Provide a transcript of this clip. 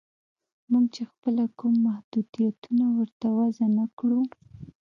موږ چې خپله کوم محدودیت ورته وضع نه کړو